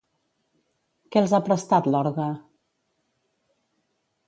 Què els ha prestat l'Orga?